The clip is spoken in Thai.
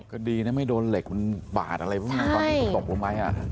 ก็ดีนะไม่โดนเหล็กมันบาดอะไรบ้างตอนนี้ตกลงไป